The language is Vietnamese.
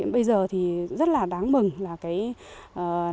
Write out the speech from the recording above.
bây giờ thì rất là đáng mừng là cái